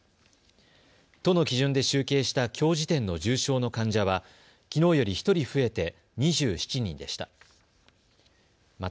都の基準で集計したきょう時点の重症の患者はきのうより１人増えて２７人でした。